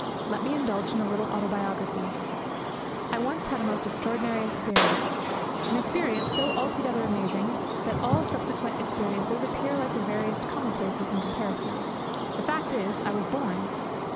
Let me indulge in a little autobiography. I once had a most extraordinary experience, an experience so altogether amazing that all subsequent experiences appear like the veriest commonplaces in comparison. The fact is, I was born.